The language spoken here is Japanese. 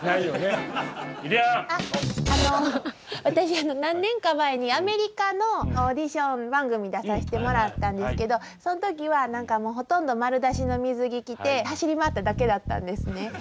私何年か前にアメリカのオーディション番組に出させてもらったんですけどそのときは何かもうほとんど丸出しの水着着て走り回っただけだったんですね。